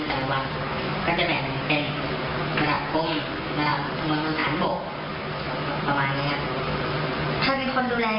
ครับความรู้ค่ะตอนเช้าที่เล่าของนายกรรมและในการประชุมในรูปแบบไหน